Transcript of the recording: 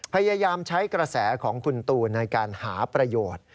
พยายามใช้กระแสของคุณตูนในการหาประโยชน์